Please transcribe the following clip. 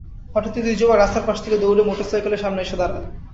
হঠাৎই দুই যুবক রাস্তার পাশ থেকে দৌড়ে মোটরসাইকেলের সামনে এসে দাঁড়ায়।